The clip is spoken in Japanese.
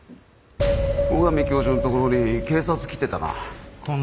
最上教授のところに警察来てたな。